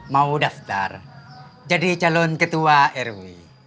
mau daftar jadi calon ketua rw